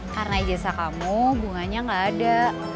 karena ijazah kamu bunganya gak ada